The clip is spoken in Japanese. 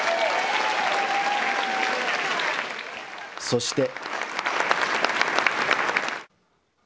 そして。